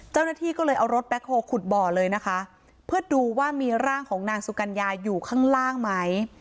เจ้าหน้าที่ก็เลยเอารถแบ็คโฮลขุดบ่อเลยนะคะเพื่อดูว่ามีร่างของนางสุกัญญาอยู่ข้างล่างไหม